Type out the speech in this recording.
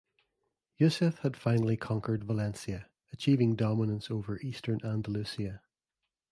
Yusef had finally conquered Valencia achieving dominance over eastern Andalusia.